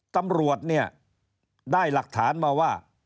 ตำรวจเนี่ยได้หลักฐานมาว่า